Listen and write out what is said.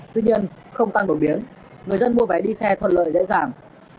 tuy nhiên không tăng đột biến người dân mua vé đi xe thuận lợi dễ dàng